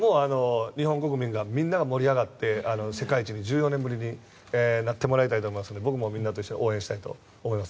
日本国民みんなが盛り上がって世界一を１４年ぶりになってもらいたいと思いますので僕もみんなと一緒に応援したいと思います。